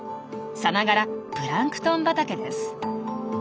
さながらプランクトン畑です。